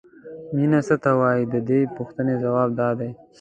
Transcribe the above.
مینه څه ته وایي د دې پوښتنې ځواب دا دی.